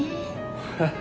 ハハハ。